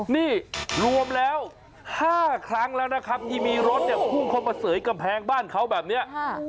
นี่รวมแล้ว๕ครั้งแล้วนะครับที่มีรถเนี่ยพุ่งเข้ามาเสยกำแพงบ้านเขาแบบนี้